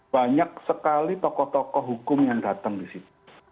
banyak sekali tokoh tokoh hukum yang datang di situ